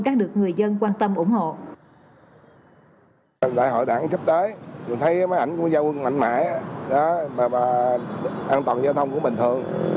đang được người dân quan tâm ủng hộ